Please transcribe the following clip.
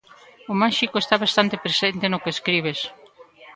O máxico está bastante presente no que escribes.